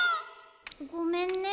ごめんね。